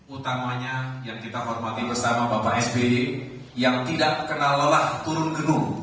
utamanya yang kita hormati bersama bapak sby yang tidak kenal lelah turun gedung